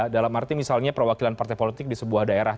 dalam arti misalnya perwakilan partai politik di sebuah daerah